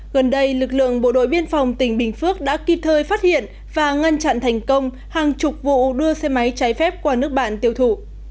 gần đây lực lượng bộ đội biên phòng tỉnh bình phước đã kịp thời phát hiện và ngăn chặn thành công hàng chục vụ đưa xe máy trái phép qua nước bạn tiêu thụ